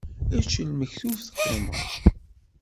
Ečč lmektub teqqimeḍ.